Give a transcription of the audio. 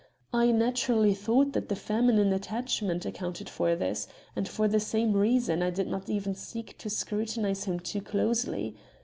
I naturally thought that the feminine attachment accounted for this, and for the same reason, I did not even seek to scrutinize him too closely.